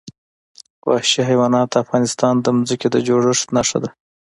وحشي حیوانات د افغانستان د ځمکې د جوړښت نښه ده.